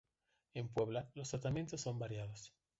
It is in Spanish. En Puebla, los tratamientos son variados.